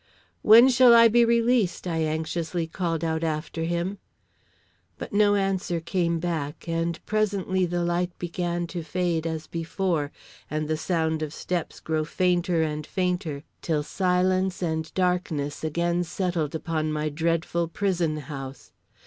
"When shall I be released?" I anxiously called out after him. But no answer came back, and presently the light began to fade as before, and the sound of steps grow fainter and fainter till silence and darkness again settled upon my dreadful prison house.